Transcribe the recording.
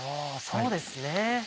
そうですね。